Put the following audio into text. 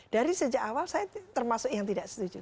dari sejak awal saya termasuk yang tidak setuju